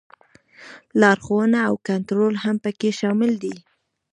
لارښوونه او کنټرول هم پکې شامل دي.